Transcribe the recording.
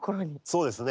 そうですね。